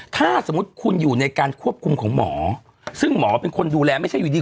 ถ้าสมมุติคุณอยู่ในการควบคุมของหมอซึ่งหมอเป็นคนดูแลไม่ใช่อยู่ดี